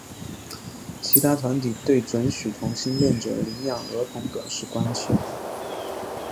其他团体对准许同性恋者领养儿童表示关切。